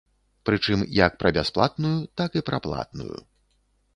Прычым як пра бясплатную, так і пра платную.